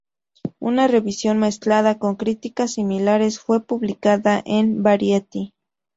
Una revisión mezclada con críticas similares fue publicada en "Variety.